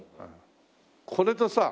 これとさ